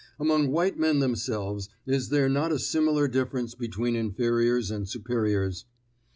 Among white men themselves is there not a similar difference between inferiors and superiors?